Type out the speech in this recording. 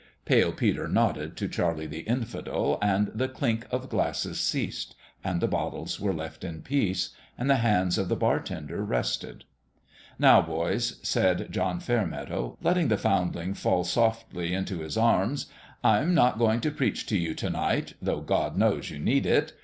Pale Peter nodded to Charlie the Infidel ; and the clink of glasses ceased and the bottles were left in peace and the hands of the bartender rested. " Now, boys," said John Fairmeadow, letting the foundling fall softly into his arms, " I'm not going to preach to you to night, though God knows you need it